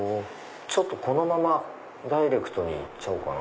このままダイレクトに行っちゃおうかな。